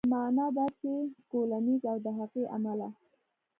معنا دا چې کولینز او د هغې عمله